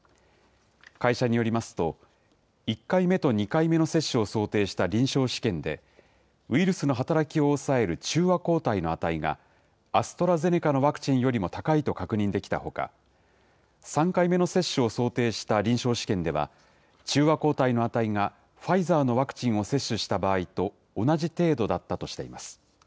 会社によりますと、１回目と２回目の接種を想定した臨床試験で、ウイルスの働きを抑える中和抗体の値がアストラゼネカのワクチンよりも高いと確認できたほか、３回目の接種を想定した臨床試験では、中和抗体の値がファイザーのワクチンを接種した場合と同じ程度だったとしています。